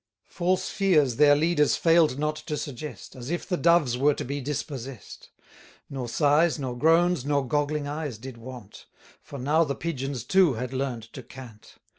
False fears their leaders fail'd not to suggest, As if the Doves were to be dispossess'd; Nor sighs, nor groans, nor goggling eyes did want; For now the Pigeons too had learn'd to cant.